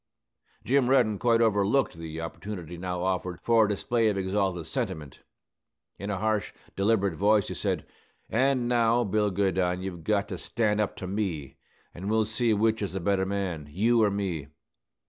Jim Reddin quite overlooked the opportunity now offered for a display of exalted sentiment. In a harsh, deliberate voice he said, "An' now, Bill Goodine, you've got to stand up to me, an' we'll see which is the better man, you or me.